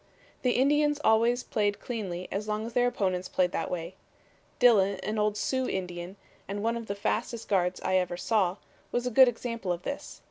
The Indians always played cleanly as long as their opponents played that way. Dillon, an old Sioux Indian, and one of the fastest guards I ever saw, was a good example of this.